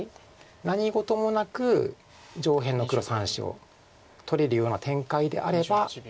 何事もなく上辺の黒３子を取れるような展開であれば。